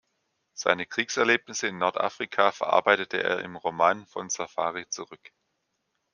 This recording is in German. Seine Kriegserlebnisse in Nordafrika verarbeitete er im Roman "Von Safari zurück".